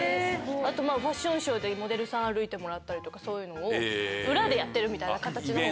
あとファッションショーでモデルさん歩いてもらったりそういうのを裏でやってるみたいな形のほうが。